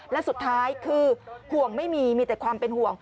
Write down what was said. และสุดท้ายคือห่วงไม่มีมีแต่ความเป็นห่วง